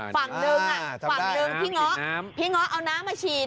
ฝั่งหนึ่งพี่ง๊อกเอาน้ำมาฉีด